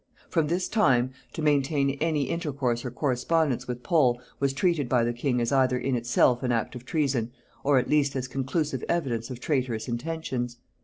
From this time, to maintain any intercourse or correspondence with Pole was treated by the king as either in itself an act of treason, or at least as conclusive evidence of traitorous intentions.